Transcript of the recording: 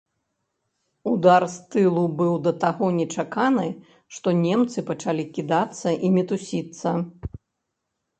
Удар з тылу быў да таго нечаканы, што немцы пачалі кідацца і мітусіцца.